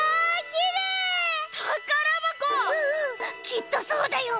きっとそうだよ！